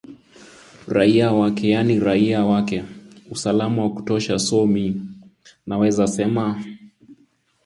raia wake yaani raia wake usalama wa kutosha so mi naweza semaa